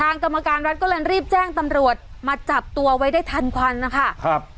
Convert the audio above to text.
กรรมการวัดก็เลยรีบแจ้งตำรวจมาจับตัวไว้ได้ทันควันนะคะครับ